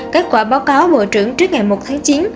kết quả báo cáo bộ trưởng trước ngày một tháng chín